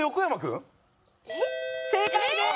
正解です！